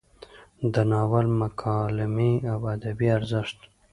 د ناول مکالمې او ادبي ارزښت: